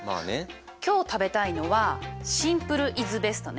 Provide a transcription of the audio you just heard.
今日食べたいのはシンプルイズベストね？